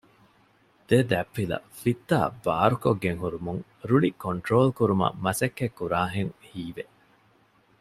ދެދަތްޕިލަ ފިއްތާ ބާރުކޮށްގެން ހުރުމުން ރުޅި ކޮންޓްރޯލް ކުރުމަށް މަސައްކަތް ކުރާހެން ހީވެ